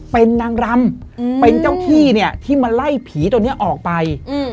เป็นนางรำเป็นเจ้าที่เนี่ยที่มาไล่ผีตัวนี้ออกไป